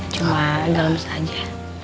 cuma enggak lemes aja